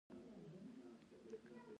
کتاب ښه ملګری دی